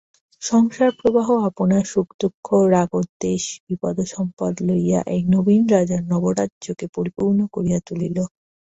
সংসারপ্রবাহ আপনার সুখদুঃখ রাগদ্বেষ বিপদসম্পদ লইয়া এই নবীন রাজার নবরাজ্যকে পরিপূর্ণ করিয়া তুলিল।